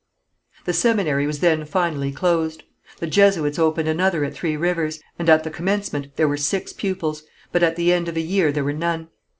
The seminary was then finally closed. The Jesuits opened another at Three Rivers, and at the commencement there were six pupils, but at the end of a year there were none.